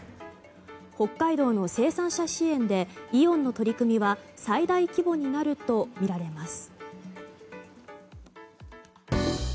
北海道の生産者支援でイオンの取り組みは最大規模になるとみられます。